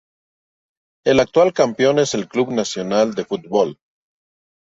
El actual campeón es el Club Nacional de Football.